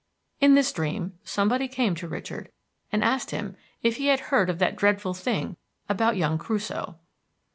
In this dream somebody came to Richard and asked him if he had heard of that dreadful thing about young Crusoe.